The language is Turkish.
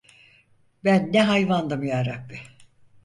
Ben ne hayvandım yarabbi…